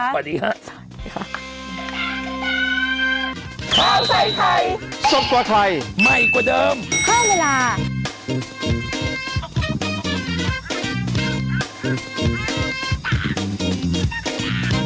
พรุ่งนี้ไม่พรุ่งนี้ค่ะ